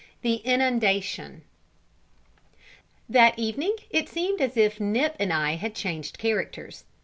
THE INUNDATION. That evening it seemed as if Nip and I had changed characters.